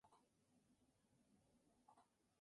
La especie más importante es el dorado.